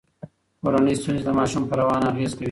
کورنۍ ستونزې د ماشوم په روان اغیز کوي.